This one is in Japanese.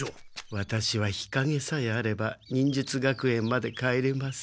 ワタシは日かげさえあれば忍術学園まで帰れます。